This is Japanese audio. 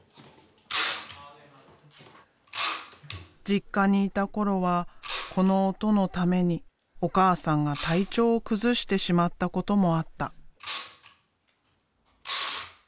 実家にいた頃はこの音のためにお母さんが体調を崩してしまったこともあった。